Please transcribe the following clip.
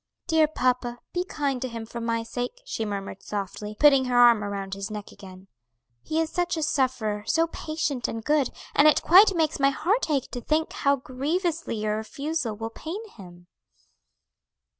"Dear papa, be kind to him for my sake," she murmured softly, putting her arm about his neck again. "He is such a sufferer, so patient and good, and it quite makes my heart ache to think how grievously your refusal will pain him."